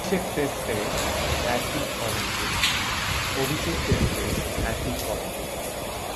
অভিষেক টেস্টে হ্যাট্রিক করেন তিনি।